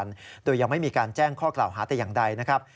โดยยังไม่มีการแจ้งข้อกล่าวหาแต่อย่างใดนะครับ